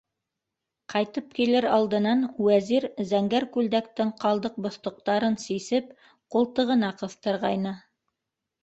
Ҡайтып инер алдынан Вәзир зәңгәр күлдәктең ҡалдыҡ-боҫтоҡтарын сисеп ҡултығына ҡыҫтырғайны.